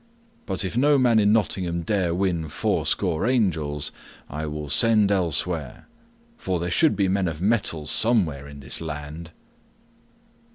But if no man in Nottingham dare win fourscore angels, I will send elsewhere, for there should be men of mettle somewhere in this land."